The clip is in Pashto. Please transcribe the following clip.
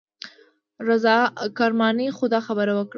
رضا کرماني خو دا خبره وکړه.